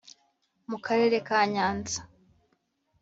Mu Karere ka Nyanza